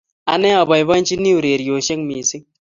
Ane apoipoichini ureryosek missing'